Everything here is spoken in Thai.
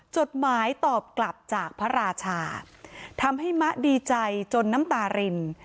จดหมายตอบกลับจากพระราชาทำให้มะดีใจจนน้ำตาริน